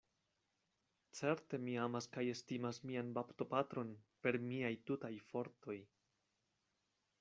Certe mi amas kaj estimas mian baptopatron per miaj tutaj fortoj.